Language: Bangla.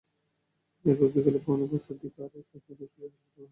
এরপর বিকেল পৌনে পাঁচটার দিকে আরও চারজন যাত্রীকে হাসপাতালে আনা হয়।